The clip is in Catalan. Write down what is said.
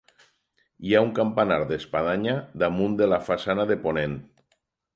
Hi ha un campanar d'espadanya damunt de la façana de ponent.